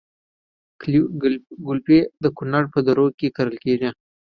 ګلپي د کونړ په درو کې کرل کیږي